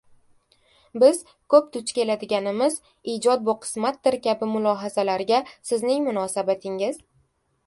– Biz ko‘p duch keladiganimiz “Ijod bu – qismatdir” kabi mulohazalarga sizning munosabatingiz?..